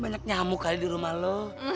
banyak nyamuk kali di rumah lo